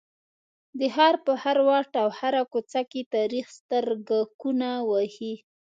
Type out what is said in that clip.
د ښار په هر واټ او هره کوڅه کې تاریخ سترګکونه وهي.